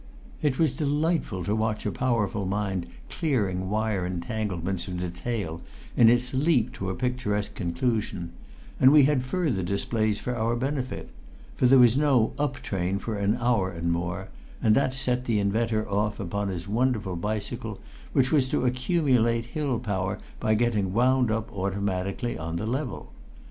It was delightful to watch a powerful mind clearing wire entanglements of detail in its leap to a picturesque conclusion; and we had further displays for our benefit; for there was no up train for an hour and more, and that set the inventor off upon his wonderful bicycle, which was to accumulate hill power by getting wound up automatically on the level.